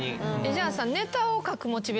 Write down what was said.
じゃあさ。